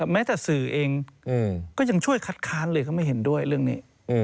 แม้แต่สื่อเองก็ยังช่วยคัดค้านเลยก็ไม่เห็นด้วยเรื่องนี้